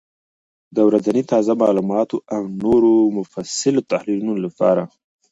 د ورځني تازه معلوماتو او نورو مفصلو تحلیلونو لپاره،